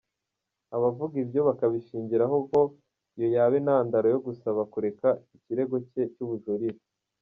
Abavuga ibyo bakabishingiraho ko iyo yaba intandaro yo gusaba kureka ikirego cye cy’ubujurire.